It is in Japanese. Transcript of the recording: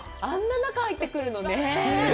あんな中、入ってくるのね！